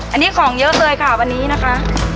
อันนี้ของเยอะเลยค่ะวันนี้นะคะ